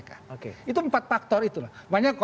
kita sudah banyak